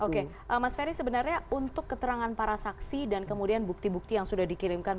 oke mas ferry sebenarnya untuk keterangan para saksi dan kemudian bukti bukti yang sudah dikirimkan